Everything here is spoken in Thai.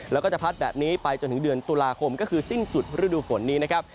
แล้วก็จะพัดแบบนี้ไปจนถึงเดือนตุลาคมก็คือสิ้นสุดฤดูฝนนี้นะครับ